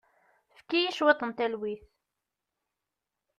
Efk-iyi cwiṭ n talwit.